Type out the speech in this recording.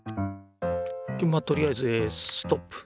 でまあとりあえずえストップ。